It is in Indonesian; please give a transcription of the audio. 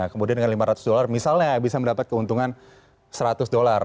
kemudian dengan lima ratus dolar misalnya bisa mendapat keuntungan seratus dolar